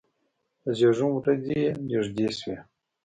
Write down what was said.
د زیږون ورځې یې نږدې شوې.